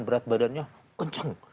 berat badannya kenceng